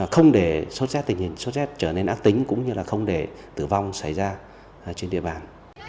không để sốt rét tình hình sốt rét trở nên ác tính cũng như không để tử vong xảy ra trên địa bàn